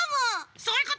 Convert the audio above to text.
そういうこと！